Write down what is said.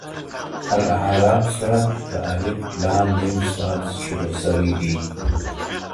الأعراف سورت په {ا. ل. م. ص} شروع سوی دی.